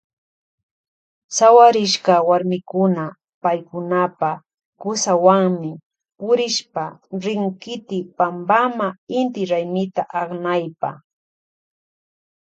Sawarishka warmikuna paykunapa kusawanmi purishpa rin kiti pampama inti raymita aknaypa.